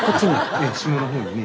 ええ下の方にね。